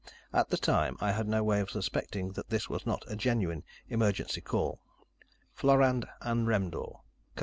At the time, I had no way of suspecting that this was not a genuine emergency call. Florand Anremdor Comm.